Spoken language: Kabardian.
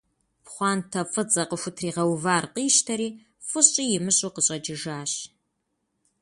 Пхъуантэ фӀыцӀэ къыхутригъэувар къищтэри, фӀыщӀи имыщӀу къыщӀэкӀыжащ.